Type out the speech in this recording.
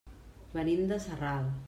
Venim de Sarral.